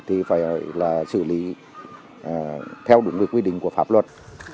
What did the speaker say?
thì phải là xử lý theo đúng quy định của pháp luật